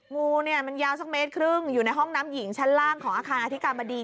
งูเนี่ยมันยาวสักเมตรครึ่งอยู่ในห้องน้ำหญิงชั้นล่างของอาคารอธิการบดี